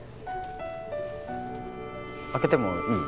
開けてもいい？